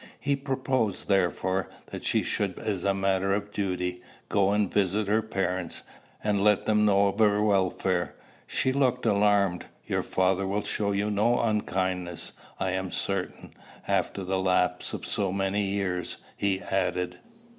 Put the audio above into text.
He proposed, therefore, that she should, as a matter of duty, go and visit her parents, and let them know of her welfare. She looked alarmed. "Your father will show you no unkindness, I am certain, after the lapse of so many years," he added.